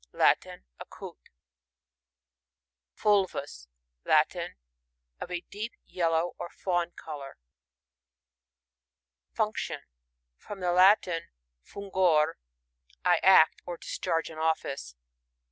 — Latin. A Coot Fulvus. — Latin. Of a deep ye11ow« or fawn colour. Function. — From the Latin, fun^or^ I act, or discharge an office.